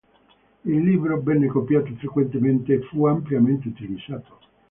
Il libro venne copiato frequentemente e fu ampiamente utilizzato.